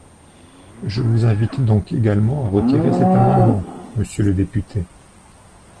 Je vous invite donc également à retirer cet amendement, monsieur le député.